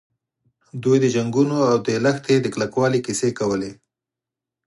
دوی د جنګونو او د لښتې د کلکوالي کیسې کولې.